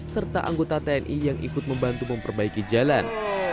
serta anggota tni yang ikut membantu memperbaiki jalan